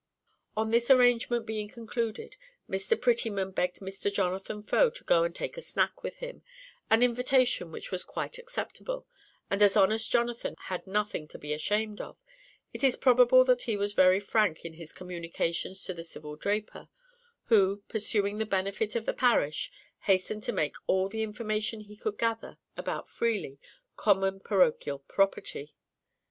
On this arrangement being concluded, Mr. Prettyman begged Mr. Jonathan Faux to go and take a snack with him, an invitation which was quite acceptable; and as honest Jonathan had nothing to be ashamed of, it is probable that he was very frank in his communications to the civil draper, who, pursuing the benefit of the parish, hastened to make all the information he could gather about Freely common parochial property.